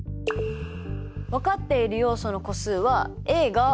分かっている要素の個数はＡが６人。